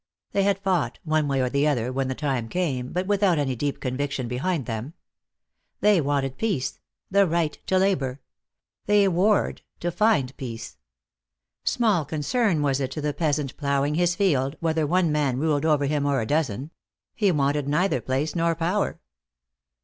They had fought, one way or the other when the time came, but without any deep conviction behind them. They wanted peace, the right to labor. They warred, to find peace. Small concern was it, to the peasant plowing his field, whether one man ruled over him or a dozen. He wanted neither place nor power.